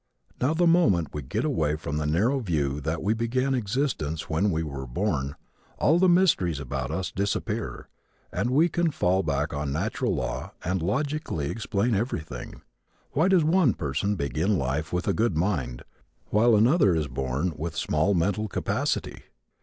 Now the moment we get away from the narrow view that we began existence when we were born, all the mysteries about us disappear and we can fall back on natural law and logically explain everything. Why does one person begin life with a good mind while another is born with small mental capacity?